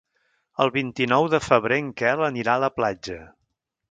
El vint-i-nou de febrer en Quel anirà a la platja.